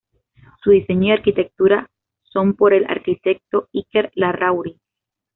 Su diseño y arquitectura son por el arquitecto Iker Larrauri.